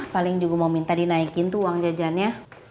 paling juga mau minta dinaikin tuh uang jajannya